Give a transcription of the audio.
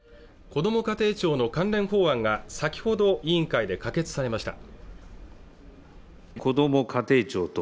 こども家庭庁の関連法案が先ほど委員会で可決されました